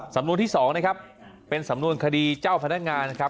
สำนวนที่๒นะครับเป็นสำนวนคดีเจ้าพนักงานนะครับ